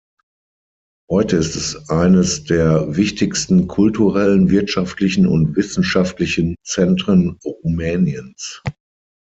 Heute ist es eines der wichtigsten kulturellen, wirtschaftlichen und wissenschaftlichen Zentren Rumäniens.